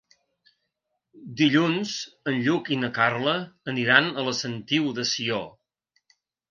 Dilluns en Lluc i na Carla aniran a la Sentiu de Sió.